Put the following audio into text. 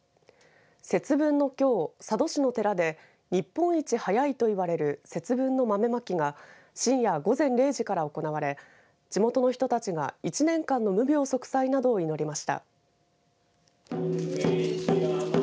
節分のきょう、佐渡市の寺で日本一早いといわれる節分の豆まきが深夜午前０時から行われ地元の人たちが１年間の無病息災などを祈りました。